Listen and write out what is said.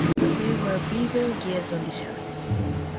There were bevel gears on the shaft.